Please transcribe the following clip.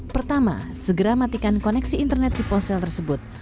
pertama segera matikan koneksi internet di ponsel tersebut